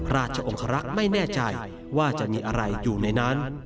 ราชองครักษ์ไม่แน่ใจว่าจะมีอะไรอยู่ในนั้น